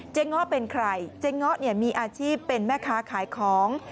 เงาะเป็นใครเจ๊ง้อเนี่ยมีอาชีพเป็นแม่ค้าขายของ